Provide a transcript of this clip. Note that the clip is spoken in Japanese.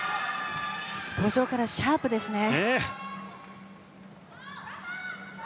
登場からシャープですね。